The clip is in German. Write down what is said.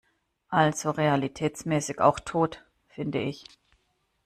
Also realitätsmäßig auch tot - finde ich.